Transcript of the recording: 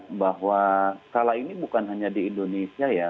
ya bahwa skala ini bukan hanya di indonesia ya